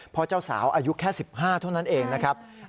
เพราะเจ้าสาวอายุแค่๑๕เท่านั้นเองนะครับ